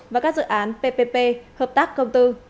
và các dự án ppp hợp tác công tư